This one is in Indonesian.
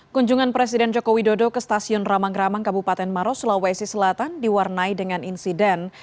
kunjungan presiden joko widodo ke stasiun ramang ramang kabupaten maros sulawesi selatan diwarnai dengan insiden